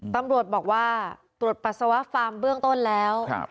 ตำรวจบอกว่าตรวจปัสสาวะฟาร์มเบื้องต้นแล้ว